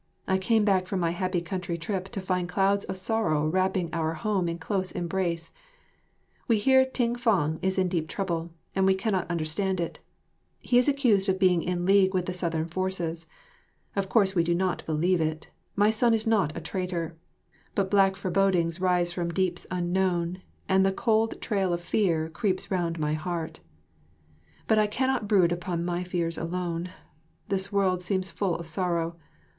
I came back from my happy country trip to find clouds of sorrow wrapping our home in close embrace. We hear Ting fang is in deep trouble, and we cannot understand it. He is accused of being in league with the Southern forces. Of course we do not believe it, my son is not a traitor; but black forebodings rise from deeps unknown and the cold trail of fear creeps round my heart. But I cannot brood upon my fears alone; this world seems full of sorrow.